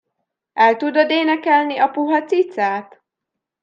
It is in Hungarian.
El tudod énekelni a "Puha Cicát"?